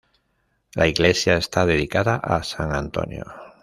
La iglesia está dedicada a San Antonio.